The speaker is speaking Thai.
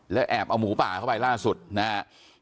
และแอบเอาหมูป่าเข้าไปล่านสุดนะฮะ